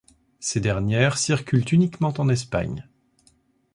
Ces dernières circulent uniquement en Espagne.